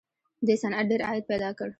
دې صنعت ډېر عاید پیدا کړ